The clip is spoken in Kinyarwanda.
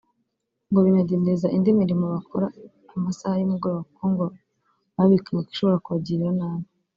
ngo binadindiza indi mirimo bakora amasaha y’umugoroba kuko ngo baba bikanga ko ishobora kubagirira nabi